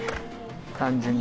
単純に。